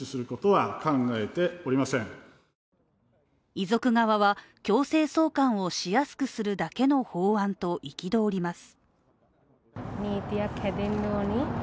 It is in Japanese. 遺族側は強制送還をしやすくするだけの法案と憤ります。